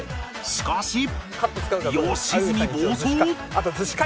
しかし良純暴走！